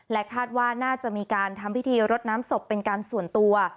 คาดว่าน่าจะมีการทำพิธีรดน้ำศพเป็นการส่วนตัว